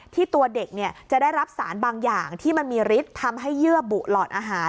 ตัวเด็กจะได้รับสารบางอย่างที่มันมีฤทธิ์ทำให้เยื่อบุหลอดอาหาร